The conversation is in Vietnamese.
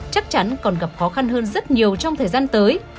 chắc chắn còn gặp khó khăn hơn rất nhiều trong thời gian tới